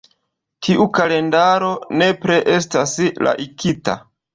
Tiu kalendaro nepre estas laika.